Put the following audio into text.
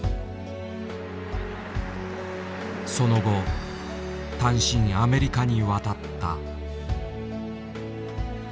その後単身アメリカに渡った。